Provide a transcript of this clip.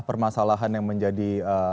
permasalahan yang menjadi